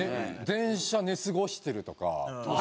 電車寝過ごしてるとか。